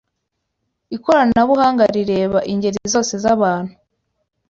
ikoranabuhanga rireba ingeri zose zabantu